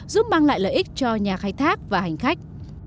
giúp mang lại lợi ích cho nhà khai thác và hành khách